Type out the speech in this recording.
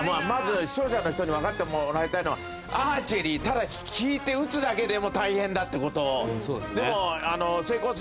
まず視聴者の人に分かってもらいたいのはアーチェリーただ引いてうつだけでも大変だってことそうですね